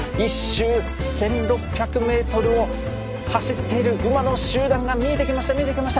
１周１，６００ｍを走っている馬の集団が見えてきました見えてきました。